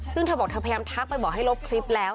ซึ่งเธอบอกเธอพยายามทักไปบอกให้ลบคลิปแล้ว